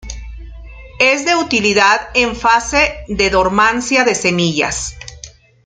Es de utilidad en fase de dormancia de semillas.